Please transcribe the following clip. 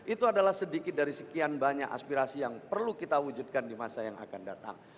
itu adalah sedikit dari sekian banyak aspirasi yang perlu kita wujudkan di masa yang akan datang